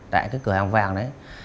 tại cái cửa hàng vàng đấy